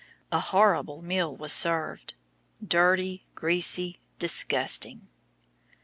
A horrible meal was served dirty, greasy, disgusting.